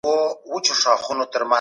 خپل ځان له ناروغیو څخه ژغورئ.